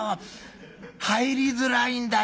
入りづらいんだよ。